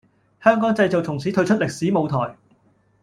香港製造從此退出歷史舞台